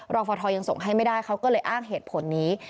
ฟทยังส่งให้ไม่ได้เขาก็เลยอ้างเหตุผลนี้